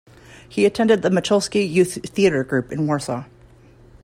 He attended the Machulski youth theatre group in Warsaw.